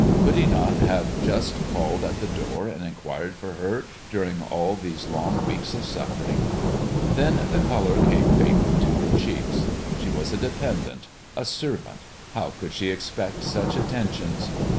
Could he not have just called at the door and inquired for her during all these long weeks of suffering? Then the color came faintly to her cheeks. She was a dependant, a servant: how could she expect such attentions?